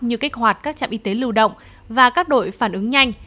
như kế hoạch các trạm y tế lưu động và các đội phản ứng nhanh